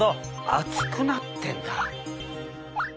厚くなってんだ。